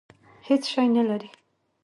هېڅ شی نه لري.